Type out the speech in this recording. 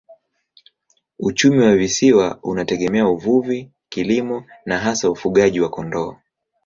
Uchumi wa visiwa unategemea uvuvi, kilimo na hasa ufugaji wa kondoo.